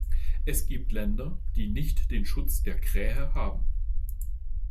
Es gibt Länder, die nicht den Schutz der Krähe haben.